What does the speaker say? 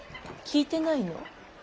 聞いてないの？